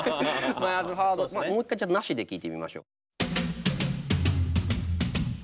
もう一回ちゃんとなしで聴いてみましょう。